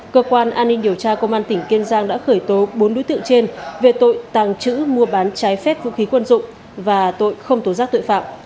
cơ quan an ninh điều tra công an tỉnh kiên giang đã khởi tố bốn đối tượng trên về tội tàng trữ mua bán trái phép vũ khí quân dụng và tội không tố giác tội phạm